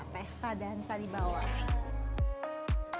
pesta dansa di bawah